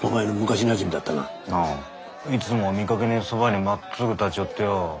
ああいつもは見かけねえそば屋にまっつぐ立ち寄ってよ